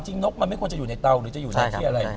นกมันไม่ควรจะอยู่ในเตาหรือจะอยู่ในที่อะไร